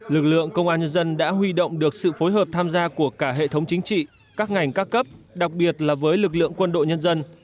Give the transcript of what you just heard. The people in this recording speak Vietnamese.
lực lượng công an nhân dân đã huy động được sự phối hợp tham gia của cả hệ thống chính trị các ngành các cấp đặc biệt là với lực lượng quân đội nhân dân